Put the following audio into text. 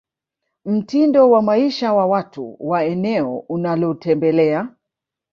mtindo wa maisha wa watu wa eneo unalotembelea